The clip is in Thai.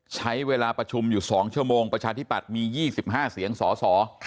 ใช้เวลาประชุมอยู่๒ชั่วโมงประชาธิปัตย์มี๒๕เสียงสส